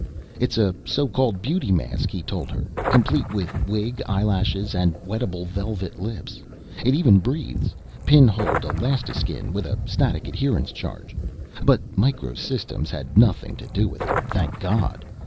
"It's a so called beauty mask," he told her, "complete with wig, eyelashes, and wettable velvet lips. It even breathes pinholed elastiskin with a static adherence charge. But Micro Systems had nothing to do with it, thank God.